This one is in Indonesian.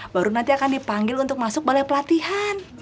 baru nanti akan dipanggil untuk masuk balai pelatihan